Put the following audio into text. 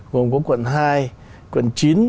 gồm có quận hai quận chín